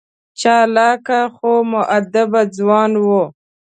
چالاکه خو مودبه ځوان و.